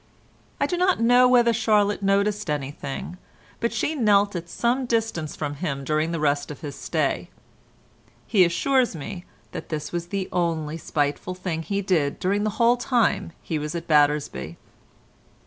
I do not know whether Charlotte noticed anything, but she knelt at some distance from him during the rest of his stay. He assures me that this was the only spiteful thing he did during the whole time he was at Battersby.